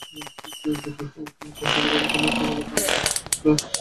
যদিও জেনার গর্ভধারণের ঠিক আগে তিনি মারা গিয়েছিলেন।